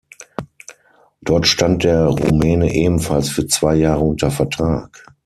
Dort stand der Rumäne ebenfalls für zwei Jahre unter Vertrag.